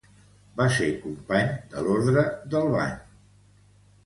Va ser company de l'Orde del Bany.